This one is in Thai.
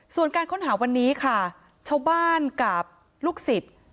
ส่วนการค้นหาวันนี้ค่ะชาวบ้านกับลูกศิษย์